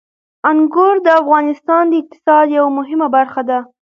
انګور د افغانستان د اقتصاد یوه مهمه برخه ده.